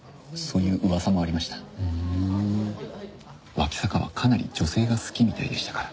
脇坂はかなり女性が好きみたいでしたから。